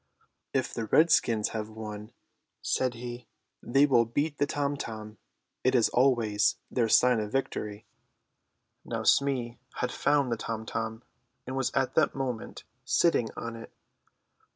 "If the redskins have won," he said, "they will beat the tom tom; it is always their sign of victory." Now Smee had found the tom tom, and was at that moment sitting on it.